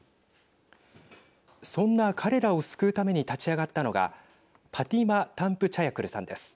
そんな彼らを救うために立ち上がったのがパティマ・タンプチャヤクルさんです。